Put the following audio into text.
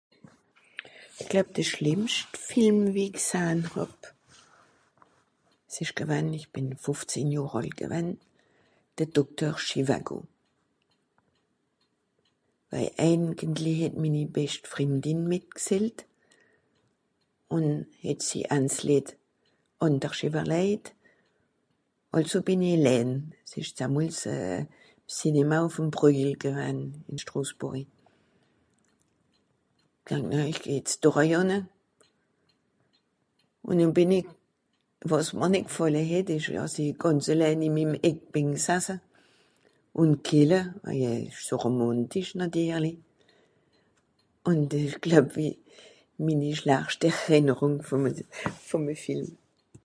I gloeb de schlìmmscht Film, wie i gsahn hàb, s'ìsch gewann, ìch bìn fùfzehn Johr àlt gewann, de Dokter Chivago, waj eigentli het minni bescht Frìndin mìtgzählt ùn het si Ands Lìed àndersch ìwwerlèjt, àlso bìn i ellän. S'ìsch zallamols Cinema ùff'm Prjet gewann, ìn Strosbùrri. (...) ìch geh jetz do oei ànne. Ùn noh bìn i... wàs mr nìt gfàlle het ìsch wie àss i gànz ellän ìm e Eck bìn gsase ùn kelle, waje ìsch so romàntisch natirli. Ùn ìch gloeb wie minni schlachtscht Errìnnerùng vùm e... vùm e Film.